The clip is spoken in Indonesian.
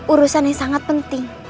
urusan yang sangat penting